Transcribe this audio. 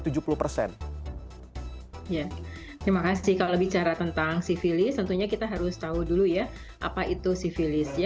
terima kasih kalau bicara tentang sivilis tentunya kita harus tahu dulu ya apa itu sivilisnya